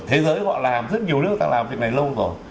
thế giới gọi là làm rất nhiều nước ta làm việc này lâu rồi